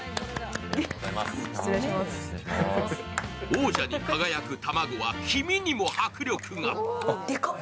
王者に輝く卵は黄身にも迫力が。